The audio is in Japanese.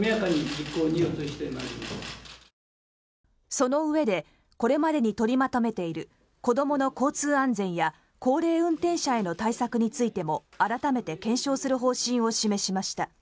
そのうえでこれまでに取りまとめている子どもの交通安全や高齢運転者への対策についても改めて検証する方針を示しました。